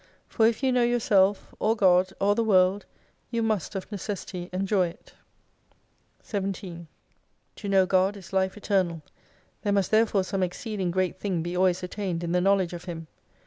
For if you know yourself, or God, or the World, you must of necessity enjoy it. 17 To know GOD is Life Eternal. There must therefore some exceeding Great Thing be always attained in the Knowledge of Him.